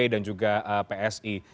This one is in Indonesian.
dan juga psi